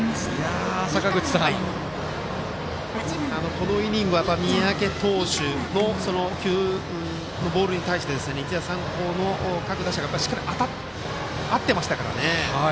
このイニングは三宅投手のボールに対して日大三高の各打者がしっかり合ってましたからね。